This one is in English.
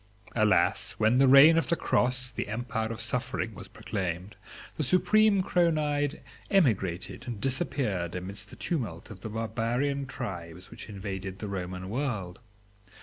Alas, when the reign of the Cross, the empire of suffering, was proclaimed, the supreme Chronide emigrated and disappeared amidst the tumult of the barbarian tribes which invaded the Roman world.